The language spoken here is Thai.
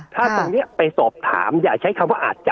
ถ้าตรงนี้ไปสอบถามอย่าใช้คำว่าอาจจะ